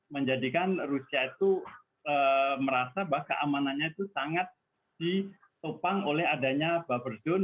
menjadikan rusia itu merasa bahwa keamanannya itu sangat ditopang oleh adanya buffer zone